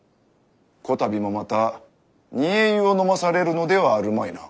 此度もまた煮え湯を飲まされるのではあるまいな。